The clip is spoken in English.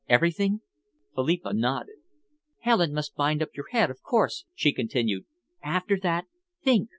"Everything?" Philippa nodded. "Helen must bind your head up, of course," she continued. "After that, think!